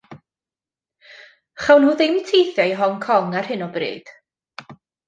Chawn nhw ddim teithio i Hong Kong ar hyn o bryd.